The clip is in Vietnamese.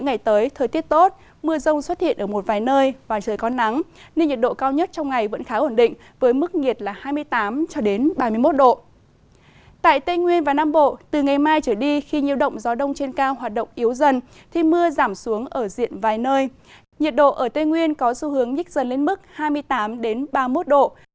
nhiệt độ ở tây nguyên có xu hướng nhích dần lên mức hai mươi tám ba mươi một độ